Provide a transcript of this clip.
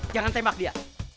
jangan tembak dia